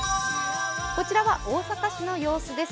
こちらは大阪市の様子です。